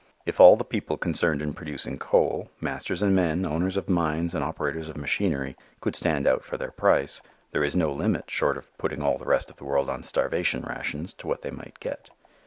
If all the people concerned in producing coal, masters and men, owners of mines and operators of machinery, could stand out for their price, there is no limit, short of putting all the rest of the world on starvation rations, to what they might get.